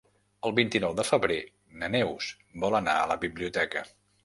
El vint-i-nou de febrer na Neus vol anar a la biblioteca.